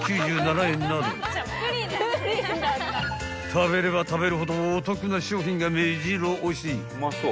［食べれば食べるほどお得な商品がめじろ押し］